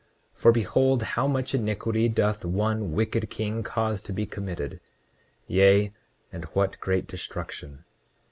29:17 For behold, how much iniquity doth one wicked king cause to be committed, yea, and what great destruction!